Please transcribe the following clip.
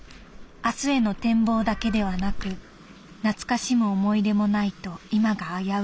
「明日への展望だけではなく懐かしむ思い出もないと今が危うい。